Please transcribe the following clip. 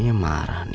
sampai jumpa lagi